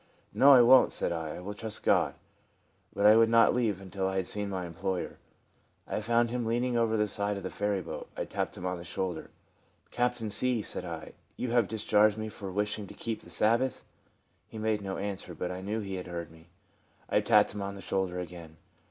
" No, I wont," said I ;" I will trust God." But I would not leave until I had seen my employer. I found him leaning over the side of the ferryboat. I tapped him on the shoulder. " Captain C," said I, " have you discharged me for wishing to keep the Sabbath ?." He made no answer, but I knew he had UPS AND DOWNS. 59 heard me. I tapped him on the shoulder again.